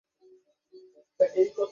আমাকে অ্যাম্বুলেন্সে ডাকতে হবে!